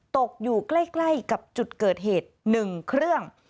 ตกอยู่ใกล้กับจุดเกิดเหตุ๑เครื่อง